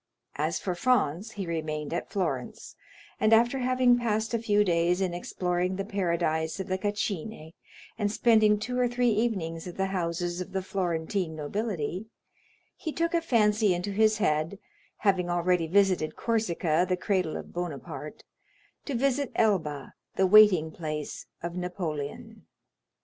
As for Franz, he remained at Florence, and after having passed a few days in exploring the paradise of the Cascine, and spending two or three evenings at the houses of the Florentine nobility, he took a fancy into his head (having already visited Corsica, the cradle of Bonaparte) to visit Elba, the waiting place of Napoleon.